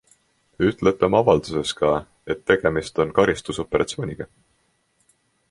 Ütlete oma avalduses ka, et tegemist on karistusoperatsiooniga.